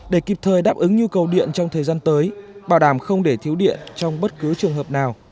để kịp thời đáp ứng nhu cầu điện trong thời gian tới bảo đảm không để thiếu điện trong bất cứ trường hợp nào